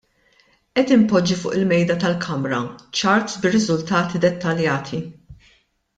Qed inpoġġi fuq il-Mejda tal-Kamra charts bir-riżultati dettaljati.